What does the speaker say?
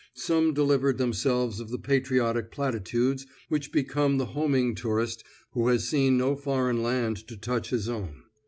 Some delivered themselves of the patriotic platitudes which become the homing tourist who has seen no foreign land to touch his own.